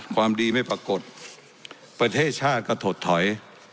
ความดีไม่ปรากฏประเทศชาติก็ถดถอย